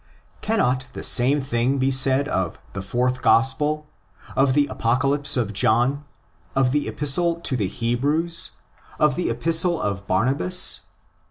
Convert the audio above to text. Cannot the same thing be said of the fourth Gospel, of the Apocalypse of John, of the Epistle to the Hebrews, of the Epistle of Barnabas?